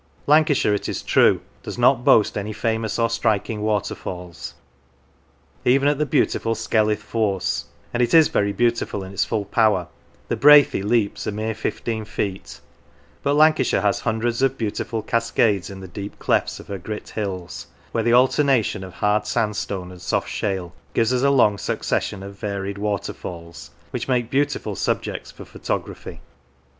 Lancashire, it is true, does not boast any famous or striking waterfalls. Even at the beautiful Skelwith Force (and it is very beautiful in its full power) the Brathay leaps a mere fifteen feet; but Lancashire has hundreds of beautiful cascades in the deep clefts of her grit hills, where the alternation of hard sandstone and soft shale gives us a long succession of varied water falls, which make beautiful subjects for photography.